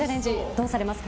どうされますか？